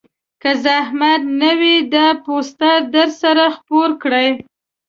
که زحمت نه وي دا پوسټر درسره خپور کړئ